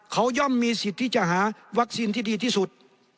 เขาย่อมมีสิทธิ์ที่จะหาวัคซีนที่ดีที่สุด